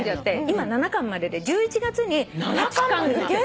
今７巻までで１１月に８巻が。